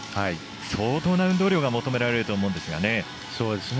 相当な運動量が求められると思うんですが。